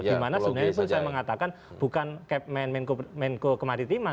dimana sebenarnya pun saya mengatakan bukan menko kemaritiman